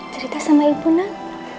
cerita sama ibu nak